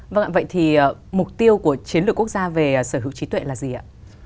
vâng ạ vậy thì mục tiêu của chiến lược quốc gia về sở hữu trí tuệ là gì ạ